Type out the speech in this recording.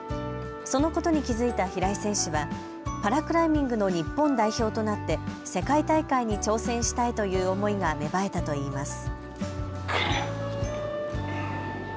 そのことに気付いた平井選手は、パラクライミングの日本代表となって、世界大会に挑戦したいという思いが芽生えたといいます。